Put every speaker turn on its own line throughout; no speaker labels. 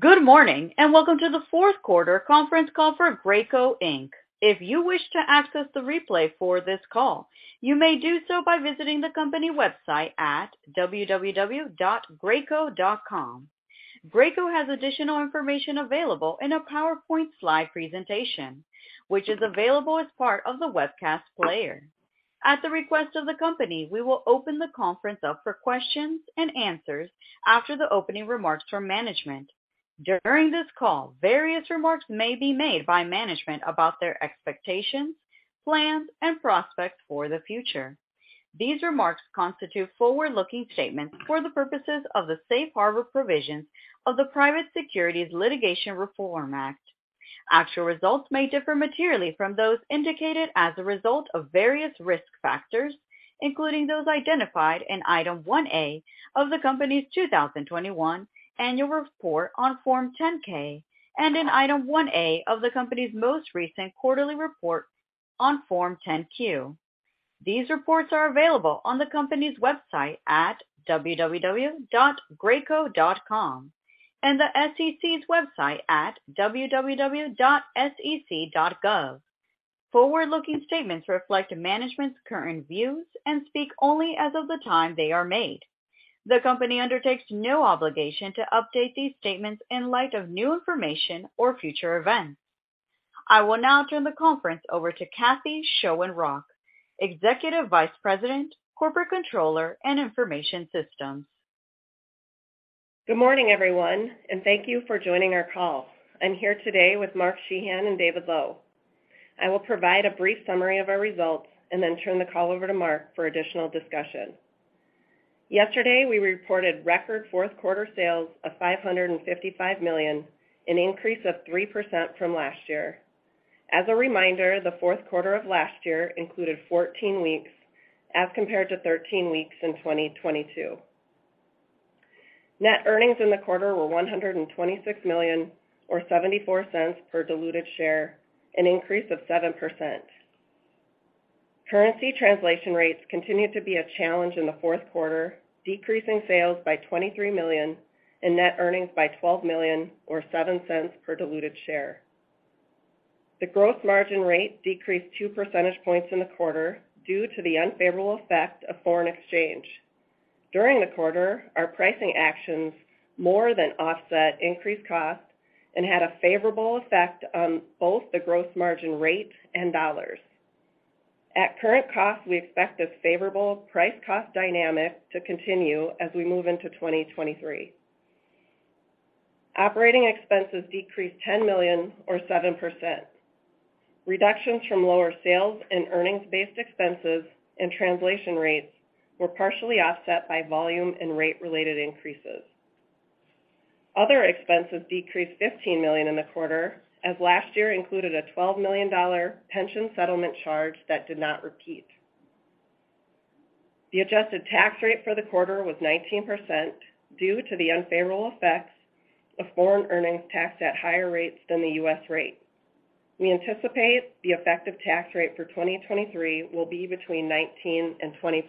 Good morning, welcome to the fourth quarter conference call for Graco Inc. If you wish to access the replay for this call, you may do so by visiting the company website at www.graco.com. Graco has additional information available in a PowerPoint slide presentation, which is available as part of the webcast player. At the request of the company, we will open the conference up for questions and answers after the opening remarks from management. During this call, various remarks may be made by management about their expectations, plans and prospects for the future. These remarks constitute forward-looking statements for the purposes of the safe harbor provisions of the Private Securities Litigation Reform Act. Actual results may differ materially from those indicated as a result of various risk factors, including those identified in item 1A of the company's 2021 annual report on Form 10-K and in item 1A of the company's most recent quarterly report on Form 10-Q. These reports are available on the company's website at www.graco.com and the SEC's website at www.sec.gov. Forward-looking statements reflect management's current views and speak only as of the time they are made. The company undertakes no obligation to update these statements in light of new information or future events. I will now turn the conference over to Kathryn Schoenrock, Executive Vice President, Corporate Controller and Information Systems.
Good morning, everyone, and thank you for joining our call. I'm here today with Mark Sheahan and David Lowe. I will provide a brief summary of our results and then turn the call over to Mark for additional discussion. Yesterday, we reported record fourth quarter sales of $555 million, an increase of 3% from last year. As a reminder, the fourth quarter of last year included 14 weeks as compared to 13 weeks in 2022. Net earnings in the quarter were $126 million or $0.74 per diluted share, an increase of 7%. Currency translation rates continued to be a challenge in the fourth quarter, decreasing sales by $23 million and net earnings by $12 million or $0.07 per diluted share. The gross margin rate decreased two percentage points in the quarter due to the unfavorable effect of foreign exchange. During the quarter, our pricing actions more than offset increased costs and had a favorable effect on both the gross margin rate and dollars. At current costs, we expect this favorable price cost dynamic to continue as we move into 2023. Operating expenses decreased $10 million or 7%. Reductions from lower sales and earnings-based expenses and translation rates were partially offset by volume and rate-related increases. Other expenses decreased $15 million in the quarter as last year included a $12 million pension settlement charge that did not repeat. The adjusted tax rate for the quarter was 19% due to the unfavorable effects of foreign earnings taxed at higher rates than the U.S. rate. We anticipate the effective tax rate for 2023 will be between 19%-20%.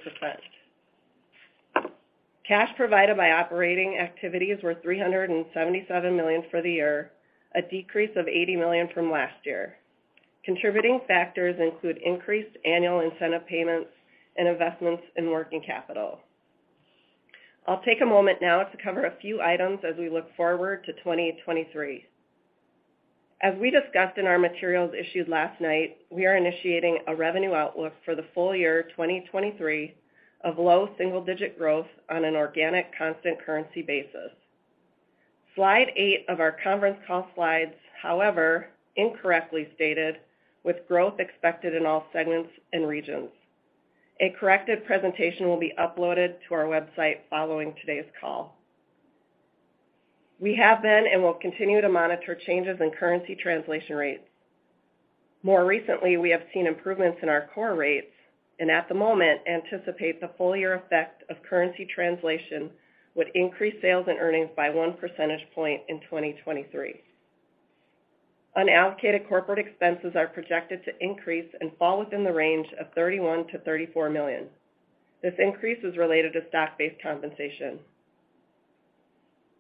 Cash provided by operating activities were $377 million for the year, a decrease of $80 million from last year. Contributing factors include increased annual incentive payments and investments in working capital. I'll take a moment now to cover a few items as we look forward to 2023. As we discussed in our materials issued last night, we are initiating a revenue outlook for the full year 2023 of low single-digit growth on an organic constant currency basis. Slide eight of our conference call slides, however, incorrectly stated with growth expected in all segments and regions. A corrected presentation will be uploaded to our website following today's call. We have been and will continue to monitor changes in currency translation rates. More recently, we have seen improvements in our core rates and at the moment anticipate the full year effect of currency translation would increase sales and earnings by one percentage point in 2023. Unallocated corporate expenses are projected to increase and fall within the range of $31 million-$34 million. This increase is related to stock-based compensation.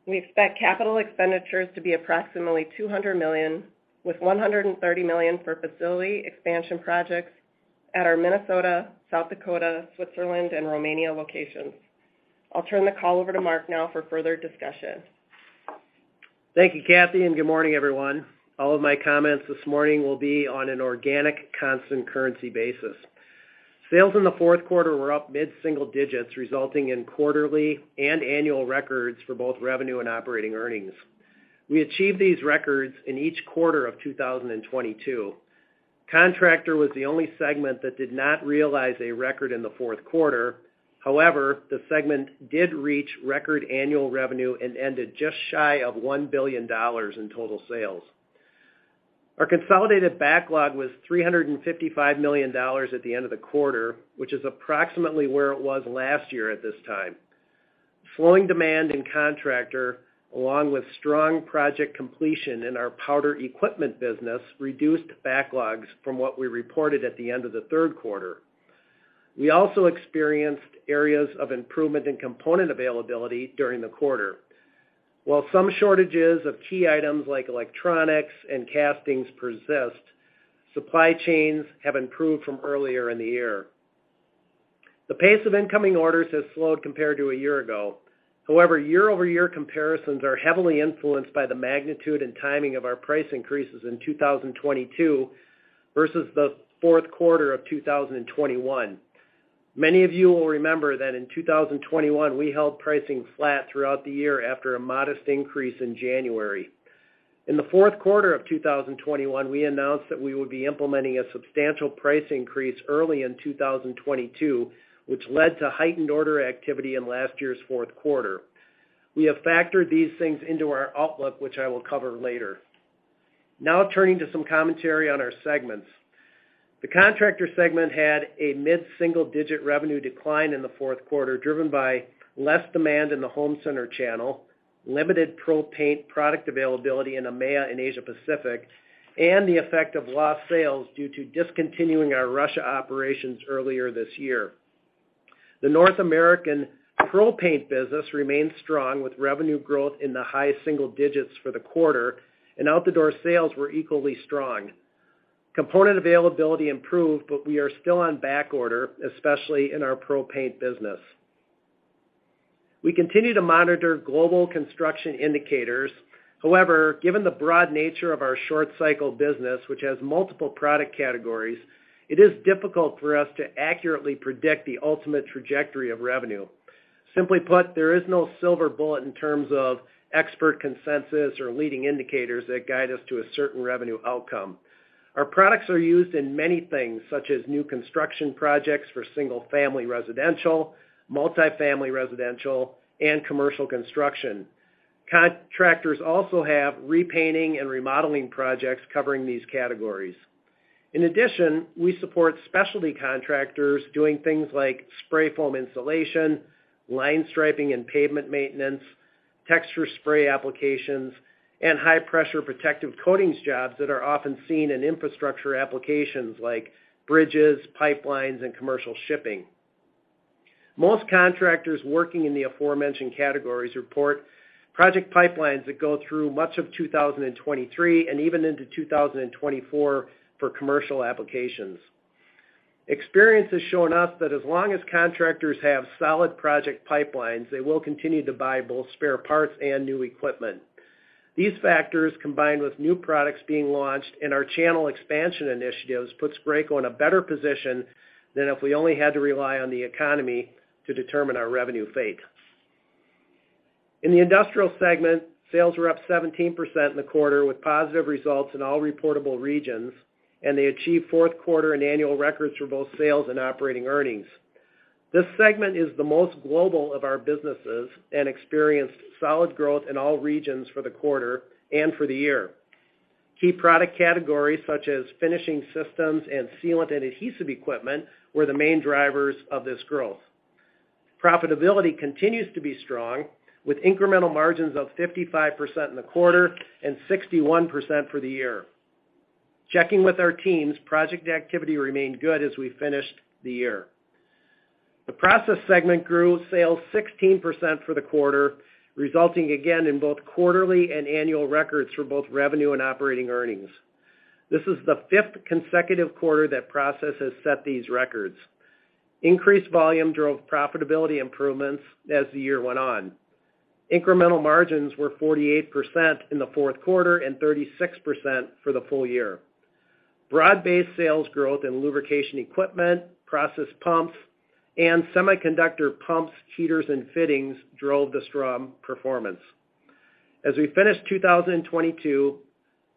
We expect CapEx to be approximately $200 million, with $130 million for facility expansion projects at our Minnesota, South Dakota, Switzerland and Romania locations. I'll turn the call over to Mark now for further discussion.
Thank you, Kathryn, and good morning, everyone. All of my comments this morning will be on an organic constant currency basis. Sales in the fourth quarter were up mid-single digits, resulting in quarterly and annual records for both revenue and operating earnings. We achieved these records in each quarter of 2022. Contractor was the only segment that did not realize a record in the fourth quarter. However, the segment did reach record annual revenue and ended just shy of $1 billion in total sales. Our consolidated backlog was $355 million at the end of the quarter, which is approximately where it was last year at this time. Flowing demand in Contractor, along with strong project completion in our powder equipment business, reduced backlogs from what we reported at the end of the third quarter. We also experienced areas of improvement in component availability during the quarter. While some shortages of key items like electronics and castings persist, supply chains have improved from earlier in the year. The pace of incoming orders has slowed compared to a year ago. However, year-over-year comparisons are heavily influenced by the magnitude and timing of our price increases in 2022 versus the fourth quarter of 2021. Many of you will remember that in 2021, we held pricing flat throughout the year after a modest increase in January. In the fourth quarter of 2021, we announced that we would be implementing a substantial price increase early in 2022, which led to heightened order activity in last year's fourth quarter. We have factored these things into our outlook, which I will cover later. Now turning to some commentary on our segments. The Contractor segment had a mid-single-digit revenue decline in the fourth quarter, driven by less demand in the home center channel, limited Pro Paint product availability in EMEA and Asia Pacific, and the effect of lost sales due to discontinuing our Russia operations earlier this year. The North American Pro Paint business remains strong with revenue growth in the high single digits for the quarter, and out the door sales were equally strong. Component availability improved, but we are still on backorder, especially in our Pro Paint business. We continue to monitor global construction indicators. However, given the broad nature of our short cycle business, which has multiple product categories, it is difficult for us to accurately predict the ultimate trajectory of revenue. Simply put, there is no silver bullet in terms of expert consensus or leading indicators that guide us to a certain revenue outcome. Our products are used in many things, such as new construction projects for single-family residential, multifamily residential, and commercial construction. Contractors also have repainting and remodeling projects covering these categories. In addition, we support specialty contractors doing things like spray foam insulation, line striping and pavement maintenance, texture spray applications, and high-pressure protective coatings jobs that are often seen in infrastructure applications like bridges, pipelines, and commercial shipping. Most contractors working in the aforementioned categories report project pipelines that go through much of 2023 and even into 2024 for commercial applications. Experience has shown us that as long as contractors have solid project pipelines, they will continue to buy both spare parts and new equipment. These factors, combined with new products being launched and our channel expansion initiatives, puts Graco in a better position than if we only had to rely on the economy to determine our revenue fate. In the industrial segment, sales were up 17% in the quarter, with positive results in all reportable regions, and they achieved fourth quarter and annual records for both sales and operating earnings. This segment is the most global of our businesses and experienced solid growth in all regions for the quarter and for the year. Key product categories such as finishing systems and sealant and adhesive equipment were the main drivers of this growth. Profitability continues to be strong, with incremental margins of 55% in the quarter and 61% for the year. Checking with our teams, project activity remained good as we finished the year. The Process segment grew sales 16% for the quarter, resulting again in both quarterly and annual records for both revenue and operating earnings. This is the fifth consecutive quarter that Process has set these records. Increased volume drove profitability improvements as the year went on. Incremental margins were 48% in the fourth quarter and 36% for the full year. Broad-based sales growth in lubrication equipment, process pumps, and semiconductor pumps, heaters, and fittings drove the strong performance. As we finish 2022,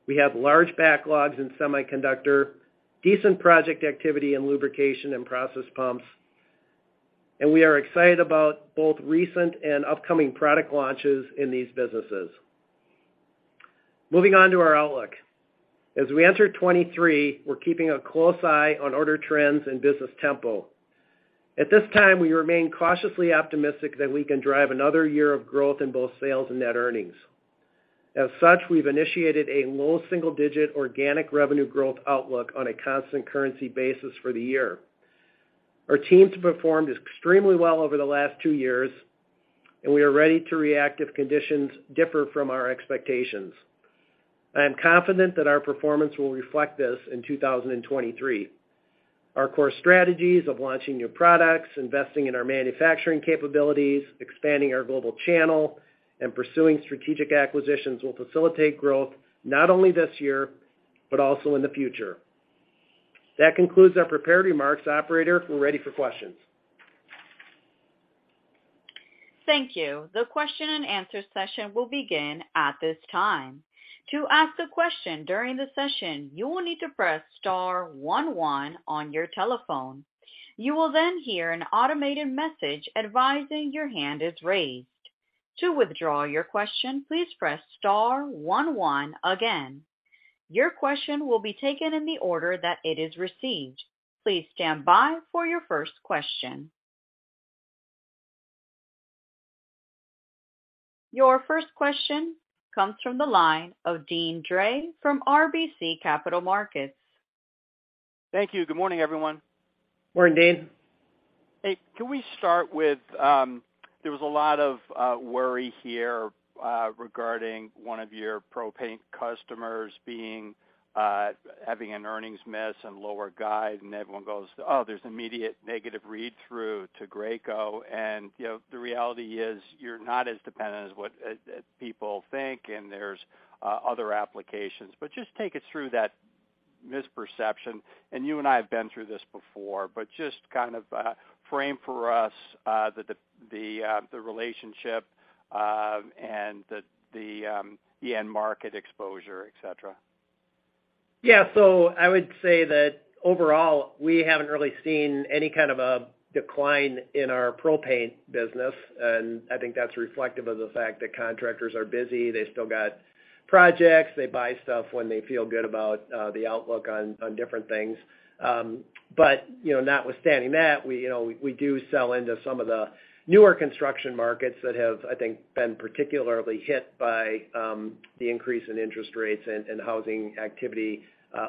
we have large backlogs in semiconductor, decent project activity in lubrication and process pumps, and we are excited about both recent and upcoming product launches in these businesses. Moving on to our outlook. As we enter 2023, we're keeping a close eye on order trends and business tempo. At this time, we remain cautiously optimistic that we can drive another year of growth in both sales and net earnings. As such, we've initiated a low single-digit organic revenue growth outlook on a constant currency basis for the year. Our teams performed extremely well over the last two years, and we are ready to react if conditions differ from our expectations. I am confident that our performance will reflect this in 2023. Our core strategies of launching new products, investing in our manufacturing capabilities, expanding our global channel, and pursuing strategic acquisitions will facilitate growth not only this year, but also in the future. That concludes our prepared remarks. Operator, we're ready for questions.
Thank you. The question and answer session will begin at this time. To ask a question during the session, you will need to press star one one on your telephone. You will then hear an automated message advising your hand is raised. To withdraw your question, please press star one one again. Your question will be taken in the order that it is received. Please stand by for your first question. Your first question comes from the line of Deane Dray from RBC Capital Markets.
Thank you. Good morning, everyone?.
Morning, Deane.
Hey, can we start with, there was a lot of worry here, regarding one of your pro paint customers being having an earnings miss and lower guide, and everyone goes, "Oh, there's immediate negative read-through to Graco"? You know, the reality is you're not as dependent as what people think, and there's other applications. Just take us through that misperception. You and I have been through this before, but just kind of frame for us the relationship, and the end market exposure, et cetera.
I would say that overall, we haven't really seen any kind of a decline in our Pro Paint business, and I think that's reflective of the fact that contractors are busy. They still got projects. They buy stuff when they feel good about the outlook on different things. Notwithstanding that, we, you know, we do sell into some of the newer construction markets that have, I think, been particularly hit by the increase in interest rates and housing activity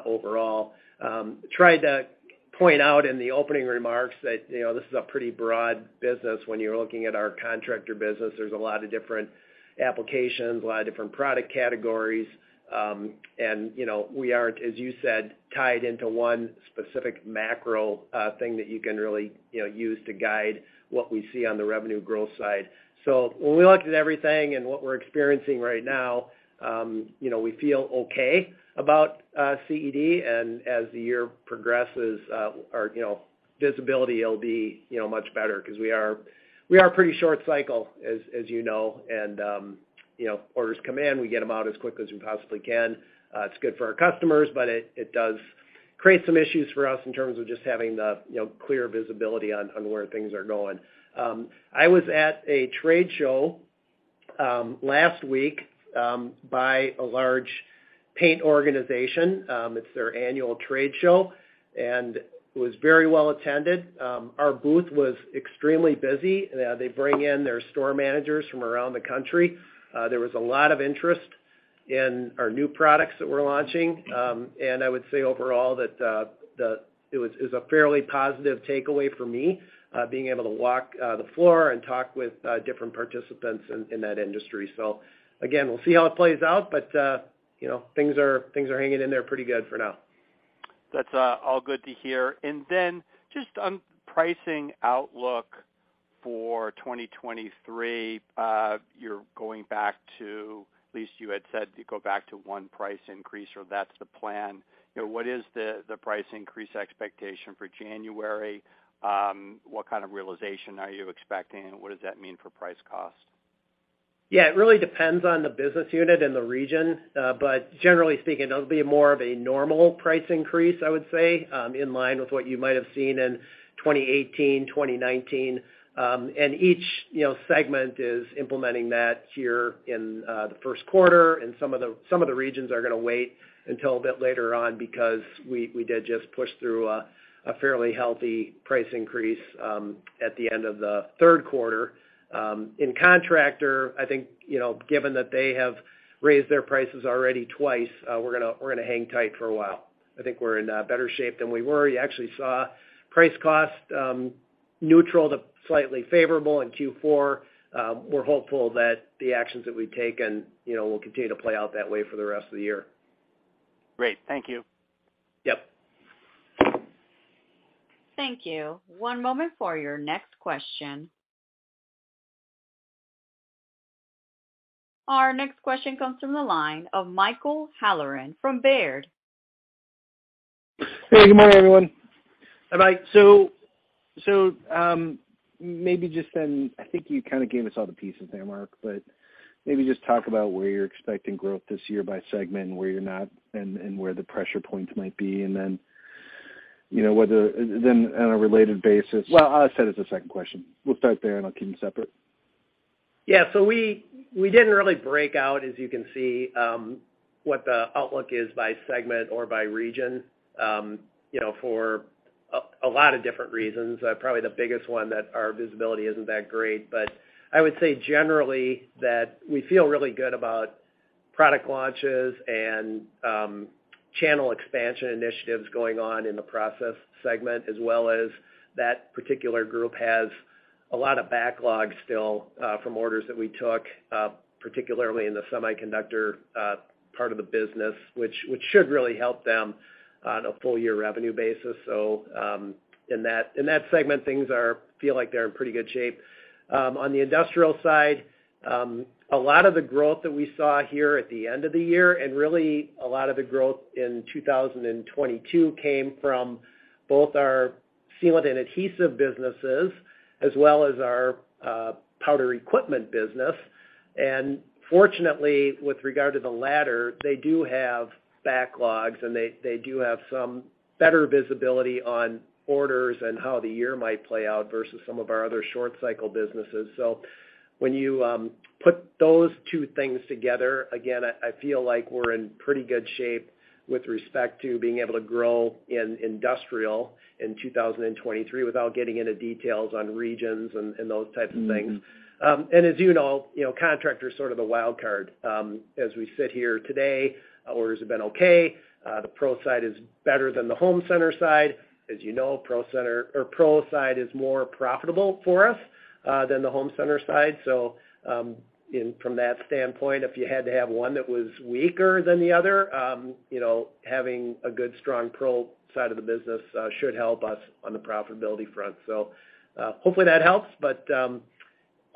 overall. Tried to point out in the opening remarks that, you know, this is a pretty broad business when you're looking at our Contractor business. There's a lot of different applications, a lot of different product categories, and, you know, we aren't, as you said, tied into one specific macro thing that you can really, you know, use to guide what we see on the revenue growth side. When we looked at everything and what we're experiencing right now, you know, we feel okay about CED. As the year progresses, our, you know, visibility will be, you know, much better 'cause we are pretty short cycle, as you know, and, you know, orders come in, we get them out as quickly as we possibly can. It's good for our customers, but it does create some issues for us in terms of just having the, you know, clear visibility on where things are going. I was at a trade show last week by a large paint organization. It's their annual trade show. It was very well attended. Our booth was extremely busy. They bring in their store managers from around the country. There was a lot of interest in our new products that we're launching. I would say overall that it was a fairly positive takeaway for me, being able to walk the floor and talk with different participants in that industry. Again, we'll see how it plays out, but, you know, things are hanging in there pretty good for now.
That's all good to hear. Just on pricing outlook for 2023, you're going back to, at least you had said, to go back to one price increase or that's the plan. You know, what is the price increase expectation for January? What kind of realization are you expecting? What does that mean for price cost?
Yeah, it really depends on the business unit and the region. But generally speaking, it'll be more of a normal price increase, I would say, in line with what you might have seen in 2018, 2019. And each, you know, segment is implementing that here in the first quarter, and some of the, some of the regions are gonna wait until a bit later on because we did just push through a fairly healthy price increase at the end of the third quarter. In Contractor, I think, you know, given that they have raised their prices already twice, we're gonna, we're gonna hang tight for a while. I think we're in better shape than we were. You actually saw price cost neutral to slightly favorable in Q4. We're hopeful that the actions that we've taken, you know, will continue to play out that way for the rest of the year.
Great. Thank you.
Yep.
Thank you. One moment for your next question. Our next question comes from the line of Michael Halloran from Baird.
Hey, good morning, everyone. All right. Maybe just then, I think you kind of gave us all the pieces there, Mark, but maybe just talk about where you're expecting growth this year by segment and where you're not and where the pressure points might be. Then, you know, then on a related basis. I'll set it as a second question. We'll start there, and I'll keep them separate.
We didn't really break out, as you can see, what the outlook is by segment or by region, you know, for a lot of different reasons. Probably the biggest one that our visibility isn't that great. I would say generally that we feel really good about product launches and channel expansion initiatives going on in the process segment, as well as that particular group has a lot of backlogs still from orders that we took particularly in the semiconductor part of the business, which should really help them on a full year revenue basis. In that segment, things feel like they're in pretty good shape. On the industrial side, a lot of the growth that we saw here at the end of the year and really a lot of the growth in 2022 came from both our sealant and adhesive businesses, as well as our powder equipment business. Fortunately, with regard to the latter, they do have backlogs, and they do have some better visibility on orders and how the year might play out versus some of our other short cycle businesses. When you put those two things together, again, I feel like we're in pretty good shape with respect to being able to grow in industrial in 2023 without getting into details on regions and those types of things. As you know, you know, Contractor's sort of the wild card. As we sit here today, our orders have been okay. The pro side is better than the home center side. As you know, pro side is more profitable for us than the home center side. From that standpoint, if you had to have one that was weaker than the other, you know, having a good, strong pro side of the business should help us on the profitability front. Hopefully that helps.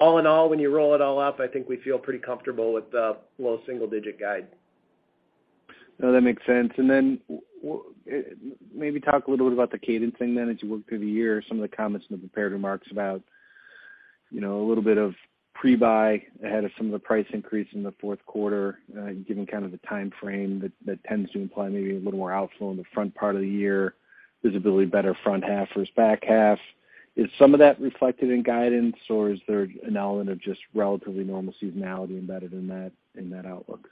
All in all, when you roll it all up, I think we feel pretty comfortable with the low single-digit guide.
No, that makes sense. Maybe talk a little bit about the cadence thing then as you work through the year, some of the comments in the prepared remarks about, you know, a little bit of pre-buy ahead of some of the price increase in the fourth quarter, given kind of the timeframe that tends to imply maybe a little more outflow in the front part of the year, visibility better front half versus back half. Is some of that reflected in guidance, or is there an element of just relatively normal seasonality embedded in that, in that outlook?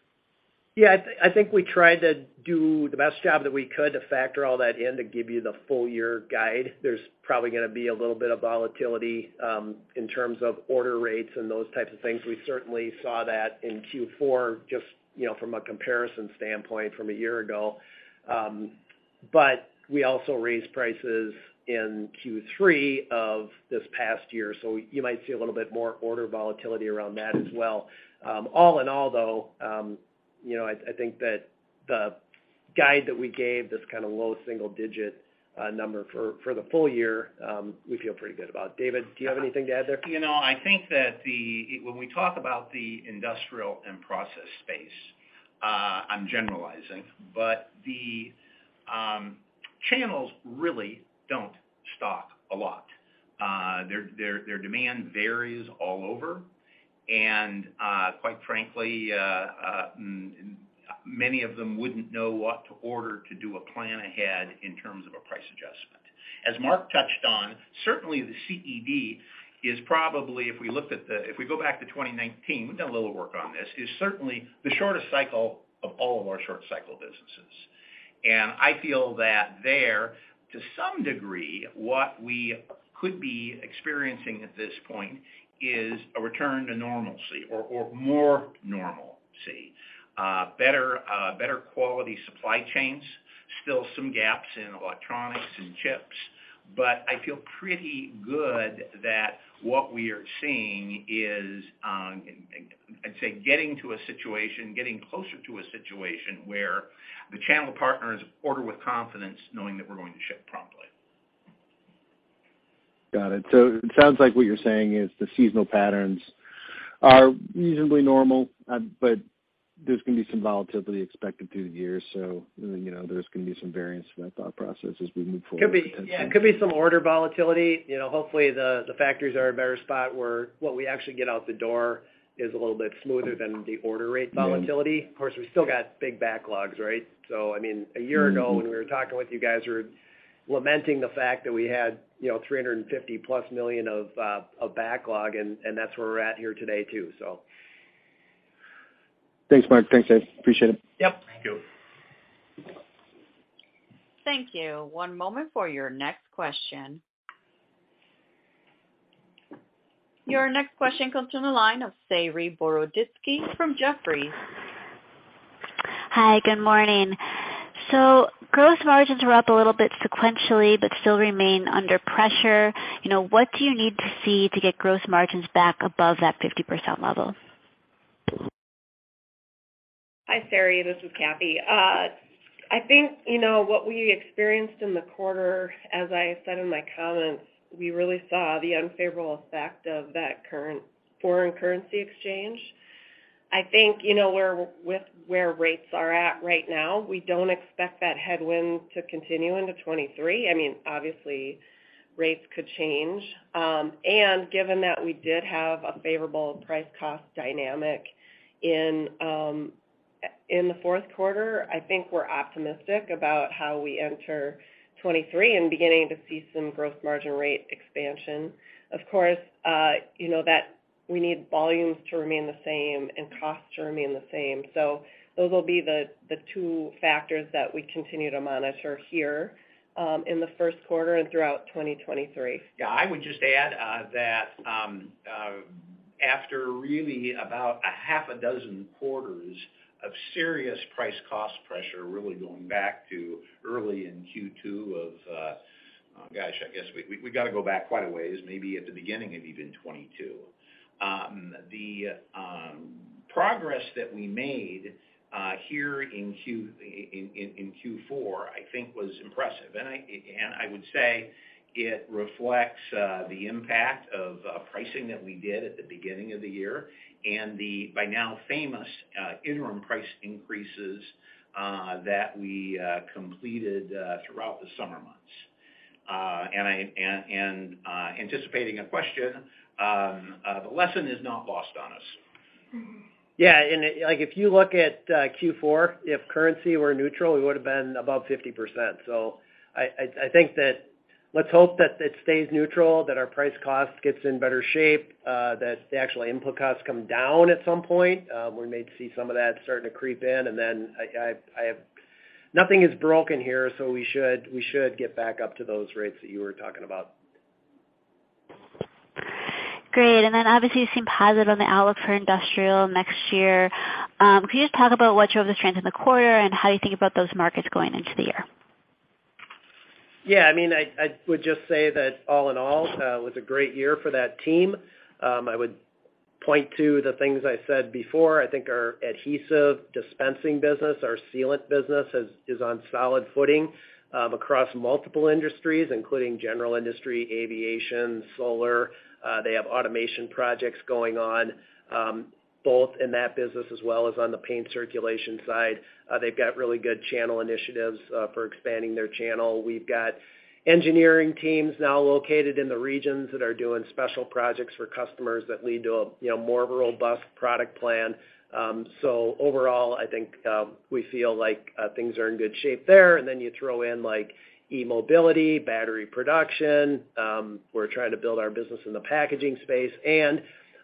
Yeah. I think we tried to do the best job that we could to factor all that in to give you the full year guide. There's probably gonna be a little bit of volatility in terms of order rates and those types of things. We certainly saw that in Q4 just, you know, from a comparison standpoint from a year ago. We also raised prices in Q3 of this past year, so you might see a little bit more order volatility around that as well. All in all though, you know, I think that the guide that we gave, this kinda low single digit number for the full year, we feel pretty good about. David, do you have anything to add there?
You know, I think that when we talk about the industrial and process space, I'm generalizing, but the channels really don't stock a lot. Their demand varies all over. Quite frankly, many of them wouldn't know what to order to do a plan ahead in terms of a price adjustment. As Mark touched on, certainly the CED is probably, if we looked at, if we go back to 2019, we've done a little work on this, is certainly the shortest cycle of all of our short cycle businesses. I feel that there, to some degree, what we could be experiencing at this point is a return to normalcy or more normalcy. Better quality supply chains, still some gaps in electronics and chips. I feel pretty good that what we are seeing is, I'd say getting to a situation, getting closer to a situation where the channel partners order with confidence knowing that we're going to ship promptly.
Got it. It sounds like what you're saying is the seasonal patterns are reasonably normal, but there's gonna be some volatility expected through the year. You know, there's gonna be some variance from that thought process as we move forward.
Could be. Yeah. Could be some order volatility. You know, hopefully the factories are in a better spot where what we actually get out the door is a little bit smoother than the order rate volatility. Of course, we still got big backlogs, right? I mean, a year ago when we were talking with you guys, we were lamenting the fact that we had, you know, $350+ million of backlog, and that's where we're at here today too, so.
Thanks, Mark. Thanks, Dave. Appreciate it.
Yep.
Thank you.
Thank you. One moment for your next question. Your next question comes from the line of Saree Boroditsky from Jefferies.
Hi. Good morning. Gross margins are up a little bit sequentially but still remain under pressure. You know, what do you need to see to get gross margins back above that 50% level?
Hi, Saree. This is Kathy. I think, you know, what we experienced in the quarter, as I said in my comments, we really saw the unfavorable effect of that current foreign currency exchange. I think, you know, with where rates are at right now, we don't expect that headwind to continue into 2023. I mean, obviously rates could change. Given that we did have a favorable price cost dynamic in the fourth quarter, I think we're optimistic about how we enter 2023 and beginning to see some gross margin rate expansion. Of course, you know, that we need volumes to remain the same and costs to remain the same. Those will be the two factors that we continue to monitor here in the first quarter and throughout 2023.
Yeah. I would just add that after really about a half a dozen quarters of serious price cost pressure, really going back to early in Q2 of gosh, I guess we gotta go back quite a ways, maybe at the beginning of even 2022. The progress that we made here in Q4, I think was impressive. I would say it reflects the impact of pricing that we did at the beginning of the year and the by now famous interim price increases that we completed throughout the summer months. Anticipating a question, the lesson is not lost on us.
Mm-hmm.
Yeah. Like if you look at Q4, if currency were neutral, we would have been above 50%. I think that let's hope that it stays neutral, that our price cost gets in better shape, that the actual input costs come down at some point. We may see some of that starting to creep in. Nothing is broken here, so we should get back up to those rates that you were talking about.
Great. Obviously you seem positive on the outlook for industrial next year. Can you just talk about what drove the trends in the quarter and how you think about those markets going into the year?
Yeah, I mean, I would just say that all in all, it was a great year for that team. I would point to the things I said before. I think our adhesive dispensing business, our sealant business is on solid footing across multiple industries, including general industry, aviation, solar. They have automation projects going on both in that business as well as on the paint circulation side. They've got really good channel initiatives for expanding their channel. We've got engineering teams now located in the regions that are doing special projects for customers that lead to a, you know, more of a robust product plan. Overall, I think, we feel like things are in good shape there. You throw in like e-mobility, battery production, we're trying to build our business in the packaging space and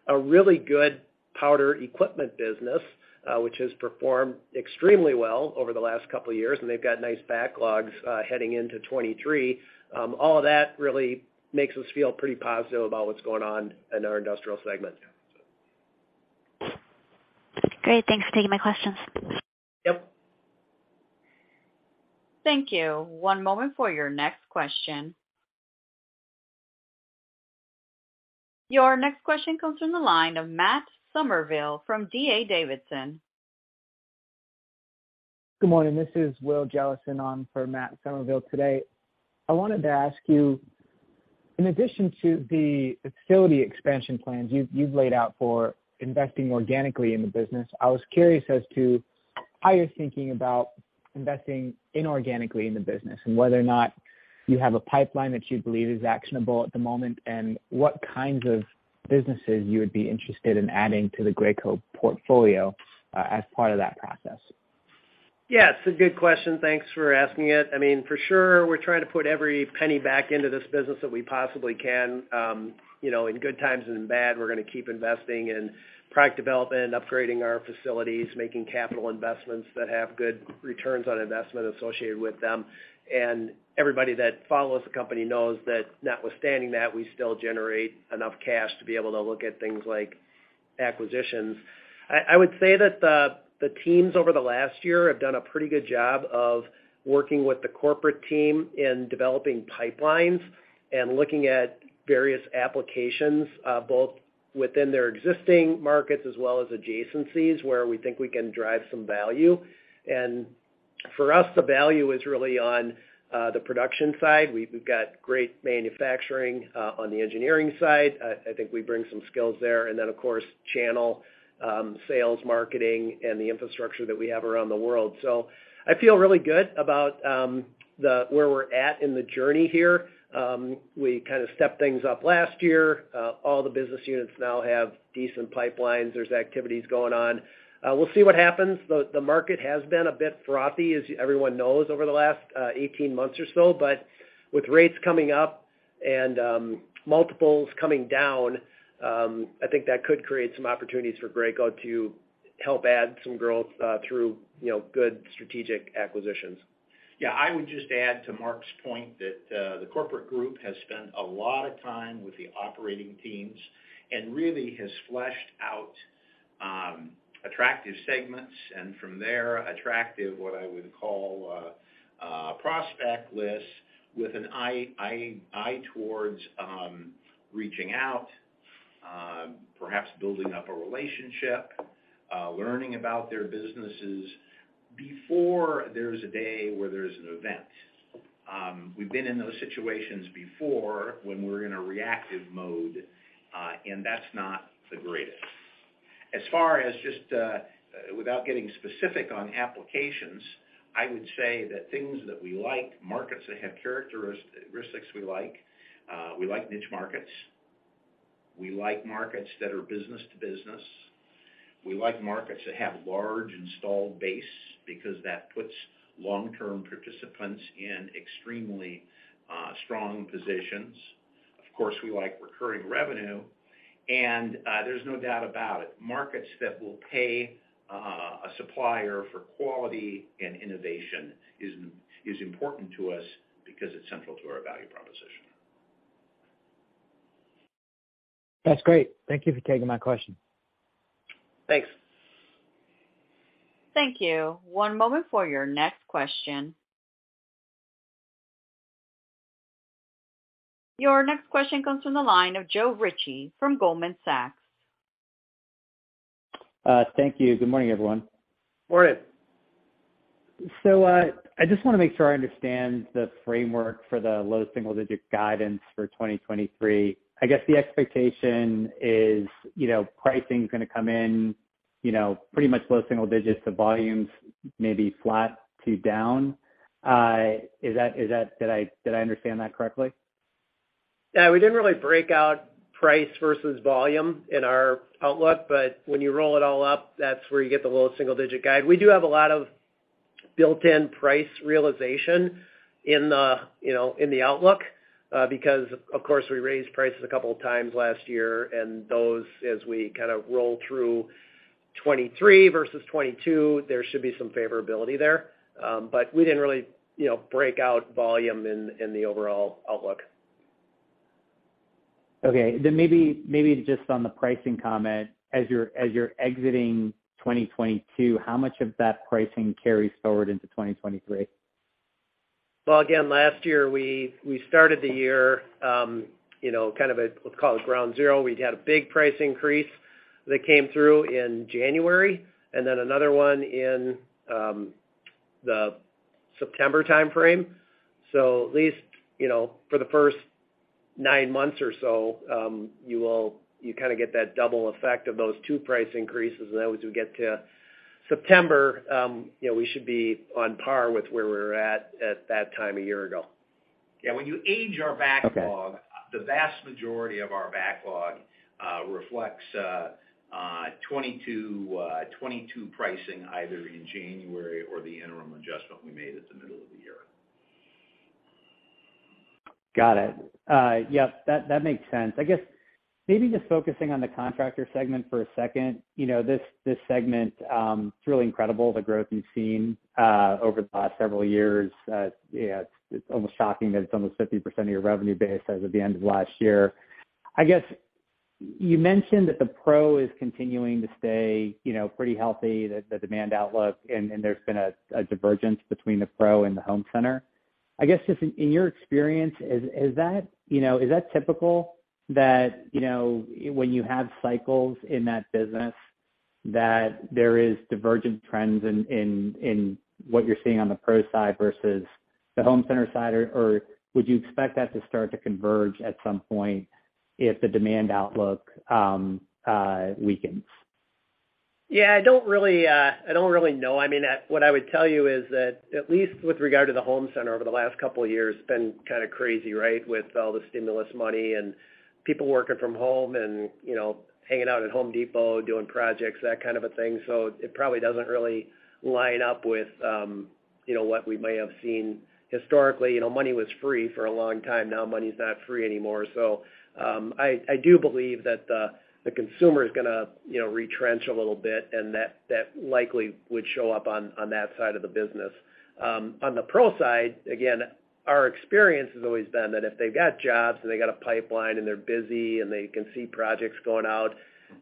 a really good powder equipment business, which has performed extremely well over the last couple of years, and they've got nice backlogs, heading into 2023. All of that really makes us feel pretty positive about what's going on in our industrial segment.
Great. Thanks for taking my questions.
Yep.
Thank you. One moment for your next question. Your next question comes from the line of Matt Summerville from D.A. Davidson.
Good morning. This is Will Jellison on for Matt Summerville today. I wanted to ask you, in addition to the facility expansion plans you've laid out for investing organically in the business, I was curious as to how you're thinking about investing inorganically in the business, and whether or not you have a pipeline that you believe is actionable at the moment, and what kinds of businesses you would be interested in adding to the Graco portfolio as part of that process.
Yeah, it's a good question. Thanks for asking it. I mean, for sure, we're trying to put every penny back into this business that we possibly can. You know, in good times and in bad, we're gonna keep investing in product development, upgrading our facilities, making capital investments that have good returns on investment associated with them. Everybody that follows the company knows that notwithstanding that, we still generate enough cash to be able to look at things like acquisitions. I would say that the teams over the last year have done a pretty good job of working with the corporate team in developing pipelines and looking at various applications, both within their existing markets as well as adjacencies where we think we can drive some value. For us, the value is really on the production side. We've got great manufacturing on the engineering side. I think we bring some skills there. Of course, channel, sales, marketing, and the infrastructure that we have around the world. I feel really good about where we're at in the journey here. We kind of stepped things up last year. All the business units now have decent pipelines. There's activities going on. We'll see what happens. The market has been a bit frothy, as everyone knows, over the last 18 months or so. With rates coming up and multiples coming down, I think that could create some opportunities for Graco to help add some growth through, you know, good strategic acquisitions.
Yeah. I would just add to Mark's point that the corporate group has spent a lot of time with the operating teams and really has fleshed out attractive segments. From there, attractive what I would call prospect lists with an eye towards reaching out, perhaps building up a relationship, learning about their businesses before there's a day where there's an event. We've been in those situations before when we're in a reactive mode. That's not the greatest. As far as just without getting specific on applications, I would say that things that we like, markets that have characteristics we like, we like niche markets. We like markets that are business to business. We like markets that have large installed base because that puts long-term participants in extremely strong positions. Of course, we like recurring revenue. There's no doubt about it, markets that will pay a supplier for quality and innovation is important to us because it's central to our value proposition.
That's great. Thank you for taking my question.
Thanks.
Thank you. One moment for your next question. Your next question comes from the line of Joe Ritchie from Goldman Sachs.
Thank you. Good morning, everyone.
Morning.
I just wanna make sure I understand the framework for the low single-digit guidance for 2023. I guess the expectation is, you know, pricing's gonna come in. You know, pretty much low single digits to volumes, maybe flat to down. Is that... Did I understand that correctly?
We didn't really break out price versus volume in our outlook, when you roll it all up, that's where you get the low single-digit guide. We do have a lot of built-in price realization in the, you know, in the outlook, because of course, we raised prices a couple of times last year and those as we kind of roll through 2023 versus 2022, there should be some favorability there. We didn't really, you know, break out volume in the overall outlook.
Okay. maybe just on the pricing comment, as you're exiting 2022, how much of that pricing carries forward into 2023?
Well, again, last year, we started the year, you know, let's call it ground zero. We'd had a big price increase that came through in January and then another one in the September timeframe. At least, you know, for the first nine months or so, you kind of get that double effect of those two price increases. Then as we get to September, you know, we should be on par with where we were at that time a year ago.
Yeah, when you age our backlog.
Okay.
The vast majority of our backlog reflects 22 pricing either in January or the interim adjustment we made at the middle of the year.
Got it. Yep, that makes sense. I guess maybe just focusing on the Contractor segment for a second. You know, this segment, it's really incredible the growth you've seen over the past several years. Yeah, it's almost shocking that it's almost 50% of your revenue base as of the end of last year. I guess you mentioned that the Pro is continuing to stay, you know, pretty healthy, the demand outlook, and there's been a divergence between the Pro and the home center. I guess just in your experience, is that, you know, is that typical that, you know, when you have cycles in that business, that there is divergent trends in what you're seeing on the Pro side versus the home center side? Would you expect that to start to converge at some point if the demand outlook weakens?
I don't really, I don't really know. I mean, what I would tell you is that at least with regard to the home center over the last couple of years, it's been kind of crazy, right? With all the stimulus money and people working from home and, you know, hanging out at Home Depot, doing projects, that kind of a thing. It probably doesn't really line up with, you know, what we may have seen historically. You know, money was free for a long time, now money's not free anymore. I do believe that the consumer is gonna, you know, retrench a little bit, and that likely would show up on that side of the business. On the pro side, again, our experience has always been that if they've got jobs and they got a pipeline and they're busy and they can see projects going out,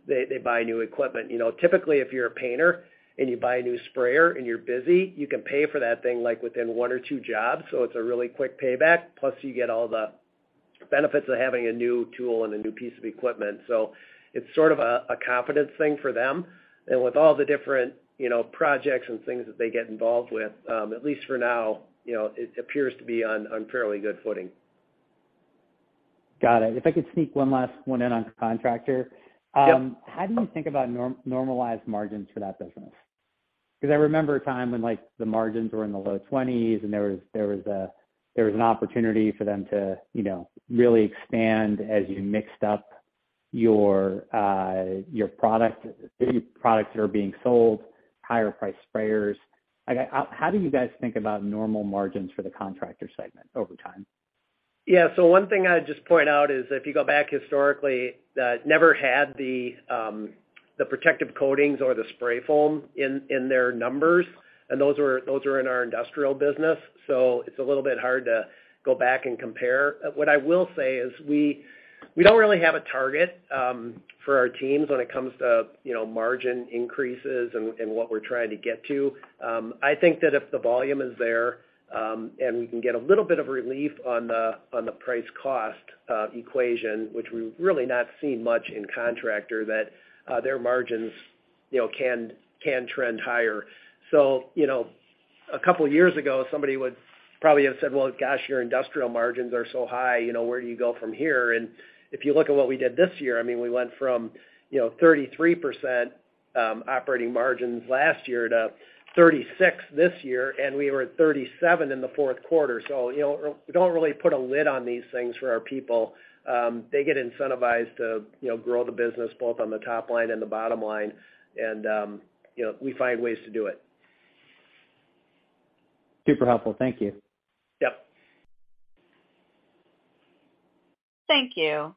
they buy new equipment. You know, typically, if you're a painter and you buy a new sprayer and you're busy, you can pay for that thing like within 1 or 2 jobs. It's a really quick payback. Plus you get all the benefits of having a new tool and a new piece of equipment. It's sort of a confidence thing for them. With all the different, you know, projects and things that they get involved with, at least for now, you know, it appears to be on fairly good footing.
Got it. If I could sneak one last one in on Contractor.
Yep.
How do you think about norm-normalized margins for that business? Cause I remember a time when like the margins were in the low 20s and there was an opportunity for them to, you know, really expand as you mixed up your product, the products that are being sold, higher-priced sprayers. Like how do you guys think about normal margins for the Contractor segment over time?
Yeah. One thing I'd just point out is if you go back historically, it never had the protective coatings or the spray foam in their numbers, and those were, those are in our industrial business. It's a little bit hard to go back and compare. What I will say is we don't really have a target for our teams when it comes to, you know, margin increases and what we're trying to get to. I think that if the volume is there, and we can get a little bit of relief on the, on the price cost equation, which we've really not seen much in Contractor, that their margins, you know, can trend higher. you know, a couple of years ago, somebody would probably have said, "Well, gosh, your industrial margins are so high, you know, where do you go from here?" If you look at what we did this year, I mean, we went from, you know, 33% operating margins last year to 36% this year, and we were at 37% in the fourth quarter. you know, we don't really put a lid on these things for our people. They get incentivized to, you know, grow the business both on the top line and the bottom line. you know, we find ways to do it.
Super helpful. Thank you.
Yep.
Thank you.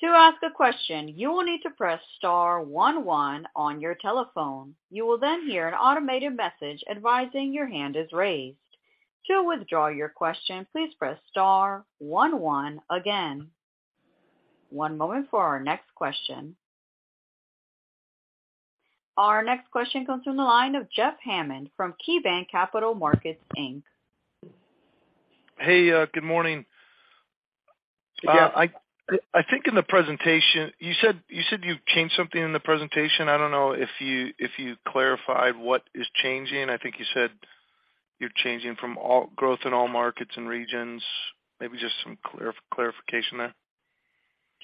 To ask a question, you will need to press star one one on your telephone. You will then hear an automated message advising your hand is raised. To withdraw your question, please press star one one again. One moment for our next question. Our next question comes from the line of Jeff Hammond from KeyBanc Capital Markets Inc.
Hey, good morning.
Yeah.
I think in the presentation. You said you've changed something in the presentation. I don't know if you clarified what is changing. I think you said you're changing from all growth in all markets and regions. Maybe just some clarification there.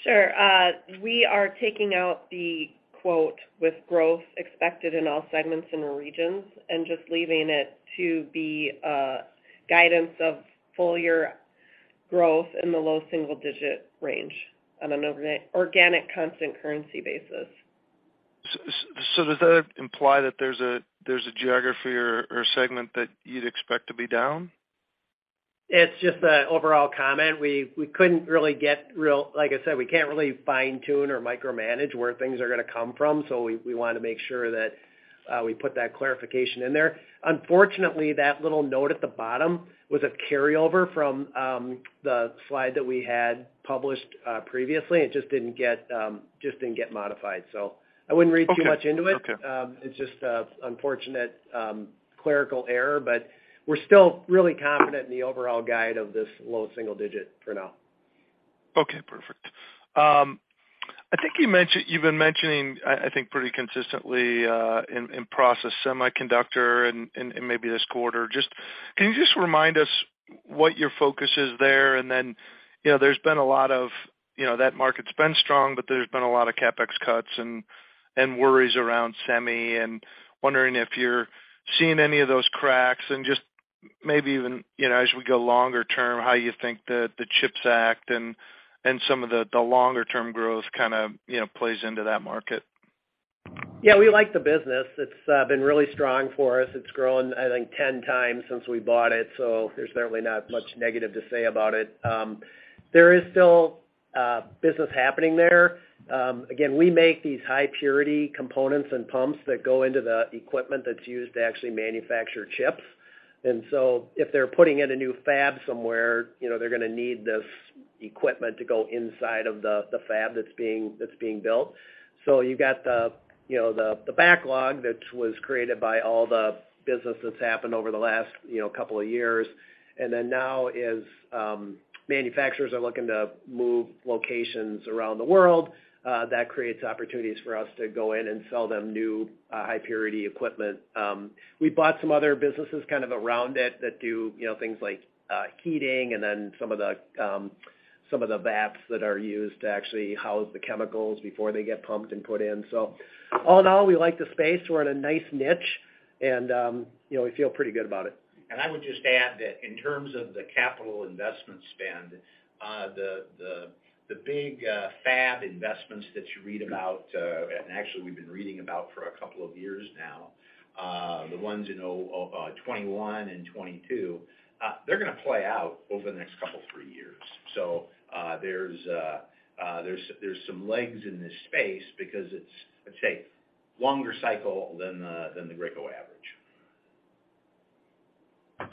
Sure. We are taking out the quote with growth expected in all segments and regions and just leaving it to be, guidance of full year growth in the low single digit range on an organic constant currency basis.
does that imply that there's a geography or segment that you'd expect to be down?
It's just a overall comment. We couldn't really get. Like I said, we can't really fine-tune or micromanage where things are gonna come from, so we wanna make sure that we put that clarification in there. Unfortunately, that little note at the bottom was a carryover from the slide that we had published previously. It just didn't get modified. I wouldn't read too much into it.
Okay. Okay.
It's just a unfortunate clerical error, but we're still really confident in the overall guide of this low single digit for now.
Okay. Perfect. I think you've been mentioning, I think, pretty consistently, in process semiconductor and maybe this quarter. Can you just remind us what your focus is there? Then, you know, that market's been strong, but there's been a lot of CapEx cuts and worries around semi. Wondering if you're seeing any of those cracks. Just maybe even, you know, as we go longer term, how you think the CHIPS Act and some of the longer term growth kind of, you know, plays into that market.
Yeah, we like the business. It's been really strong for us. It's grown, I think, 10 times since we bought it, so there's certainly not much negative to say about it. There is still business happening there. Again, we make these high-purity components and pumps that go into the equipment that's used to actually manufacture chips. If they're putting in a new fab somewhere, you know, they're gonna need this equipment to go inside of the fab that's being built. You've got the, you know, the backlog that was created by all the business that's happened over the last, you know, couple of years. Now, as manufacturers are looking to move locations around the world, that creates opportunities for us to go in and sell them new high-purity equipment. We bought some other businesses kind of around it that do, you know, things like heating and then some of the baths that are used to actually house the chemicals before they get pumped and put in. All in all, we like the space. We're in a nice niche, and you know, we feel pretty good about it.
I would just add that in terms of the capital investment spend, the big fab investments that you read about, and actually we've been reading about for a couple of years now, the ones in 2021 and 2022, they're gonna play out over the next couple, three years. There's some legs in this space because it's, let's say, longer cycle than the Graco average.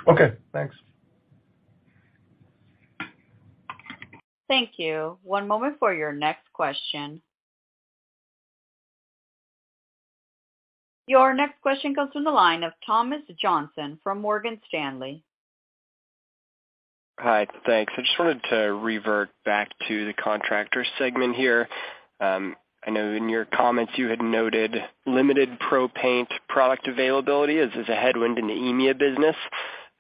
Okay, thanks.
Thank you. One moment for your next question. Your next question comes from the line of Thomas Johnson from Morgan Stanley.
Hi. Thanks. I just wanted to revert back to the Contractor segment here. I know in your comments you had noted limited Pro Paint product availability as a headwind in the EMEA business.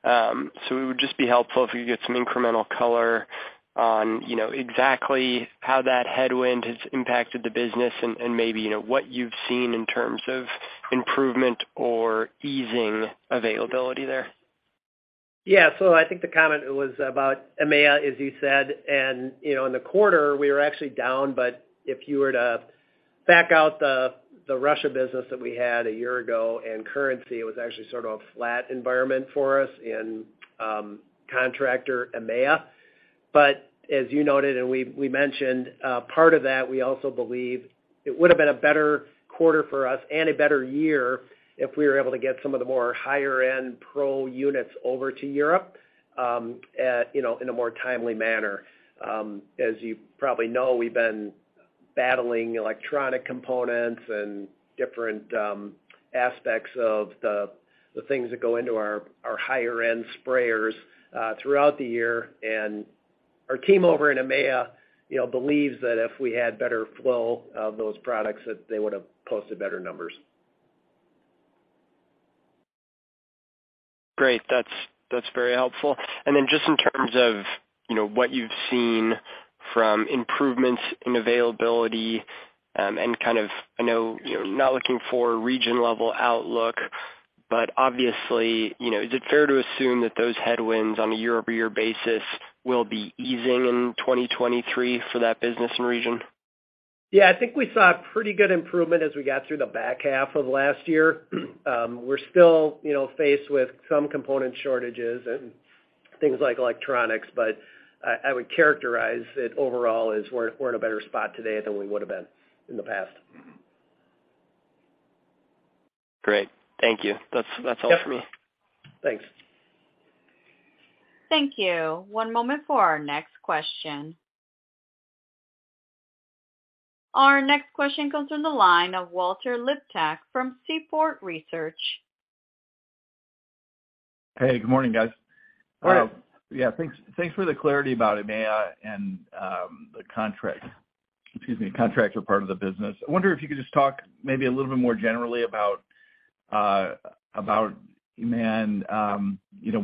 It would just be helpful if we could get some incremental color on, you know, exactly how that headwind has impacted the business and maybe, you know, what you've seen in terms of improvement or easing availability there.
Yeah. I think the comment was about EMEA, as you said. You know, in the quarter, we were actually down. If you were to back out the Russia business that we had a year ago and currency, it was actually sort of a flat environment for us in Contractor EMEA. As you noted and we mentioned, part of that, we also believe it would have been a better quarter for us and a better year if we were able to get some of the more higher-end pro units over to Europe, at, you know, in a more timely manner. As you probably know, we've been battling electronic components and different aspects of the things that go into our higher-end sprayers throughout the year. Our team over in EMEA, you know, believes that if we had better flow of those products, that they would have posted better numbers.
Great. That's very helpful. Just in terms of, you know, what you've seen from improvements in availability, and kind of, I know, you know, not looking for region level outlook, but obviously, you know, is it fair to assume that those headwinds on a year-over-year basis will be easing in 2023 for that business and region?
Yeah. I think we saw a pretty good improvement as we got through the back half of last year. We're still, you know, faced with some component shortages and things like electronics, but I would characterize it overall as we're in a better spot today than we would have been in the past.
Great. Thank you. That's all for me.
Yep. Thanks.
Thank you. One moment for our next question. Our next question comes from the line of Walt Liptak from Seaport Research.
Hey, good morning, guys.
Morning.
Thanks for the clarity about EMEA and the Contractor part of the business. I wonder if you could just talk maybe a little bit more generally about About demand, you know,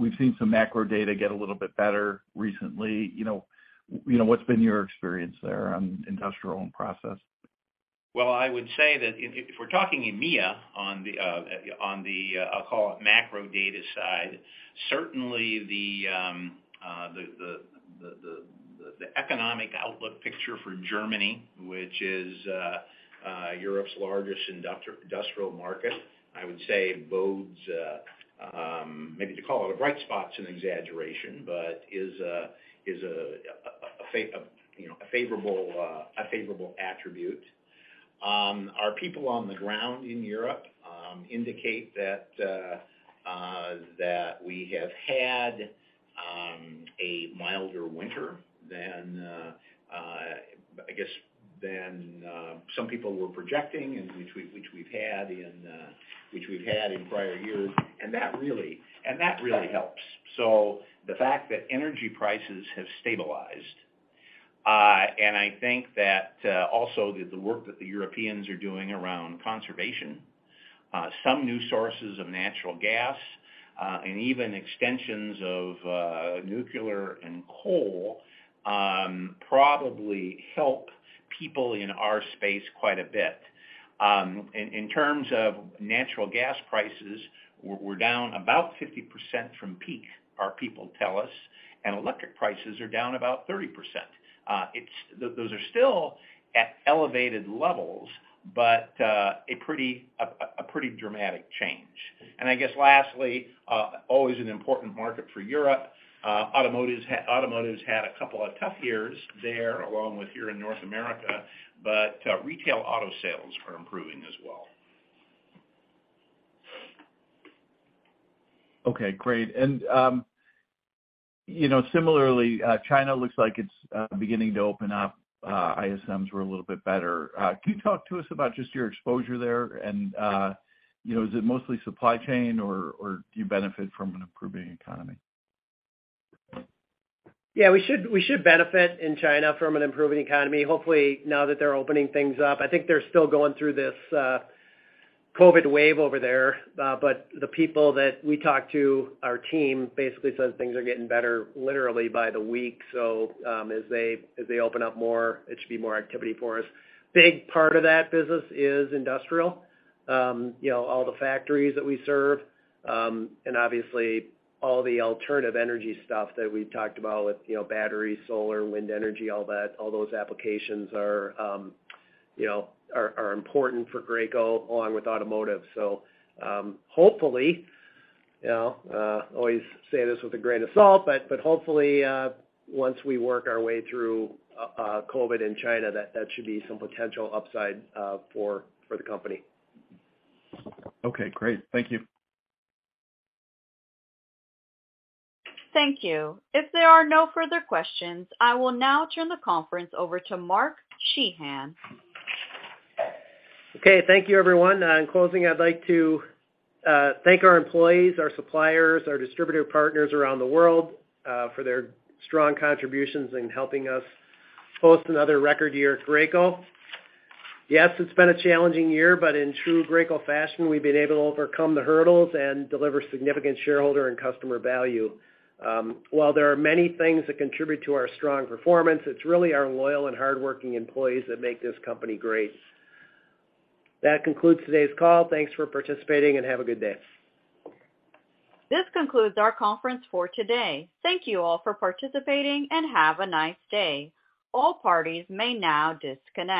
we've seen some macro data get a little bit better recently. You know, what's been your experience there on industrial and process?
I would say that if we're talking EMEA on the on the I'll call it macro data side, certainly the economic outlook picture for Germany, which is Europe's largest industrial market, I would say bodes maybe to call it a bright spot's an exaggeration, but is a you know, a favorable attribute. Our people on the ground in Europe indicate that we have had a milder winter than I guess than some people were projecting and which we've had in prior years, and that really helps. The fact that energy prices have stabilized, and I think that also the work that the Europeans are doing around conservation, some new sources of natural gas, and even extensions of nuclear and coal, probably help people in our space quite a bit. In terms of natural gas prices, we're down about 50% from peak, our people tell us, and electric prices are down about 30%. Those are still at elevated levels, but a pretty dramatic change. I guess lastly, always an important market for Europe, automotives had a couple of tough years there, along with here in North America, but retail auto sales are improving as well.
Okay, great. You know, similarly, China looks like it's beginning to open up. ISM were a little bit better. Can you talk to us about just your exposure there? You know, is it mostly supply chain, or do you benefit from an improving economy?
Yeah, we should benefit in China from an improving economy. Hopefully, now that they're opening things up. I think they're still going through this COVID wave over there. But the people that we talk to, our team basically says things are getting better literally by the week. As they open up more, it should be more activity for us. Big part of that business is industrial. You know, all the factories that we serve, and obviously all the alternative energy stuff that we talked about with, you know, battery, solar, wind energy, all that, all those applications are, you know, are important for Graco along with automotive. Hopefully, you know, always say this with a grain of salt, but hopefully, once we work our way through COVID in China, that should be some potential upside for the company.
Okay, great. Thank you.
Thank you. If there are no further questions, I will now turn the conference over to Mark Sheahan.
Okay. Thank you, everyone. In closing, I'd like to thank our employees, our suppliers, our distributor partners around the world, for their strong contributions in helping us post another record year at Graco. Yes, it's been a challenging year, but in true Graco fashion, we've been able to overcome the hurdles and deliver significant shareholder and customer value. While there are many things that contribute to our strong performance, it's really our loyal and hardworking employees that make this company great. That concludes today's call. Thanks for participating, and have a good day.
This concludes our conference for today. Thank you all for participating, and have a nice day. All parties may now disconnect.